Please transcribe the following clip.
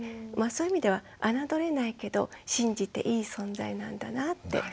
そういう意味では侮れないけど信じていい存在なんだなって。